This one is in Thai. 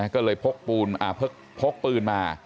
ก็เลยพกปืนมา